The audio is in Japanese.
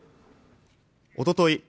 おととい